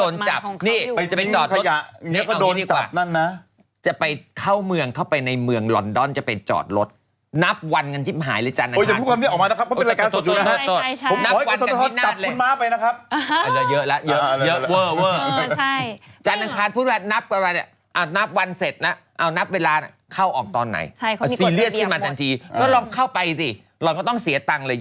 และก็มีพัยุฝนฟ้าคนองนะคะลมกระโชกแรง